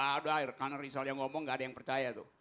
aduh karena rizal yang ngomong gak ada yang percaya tuh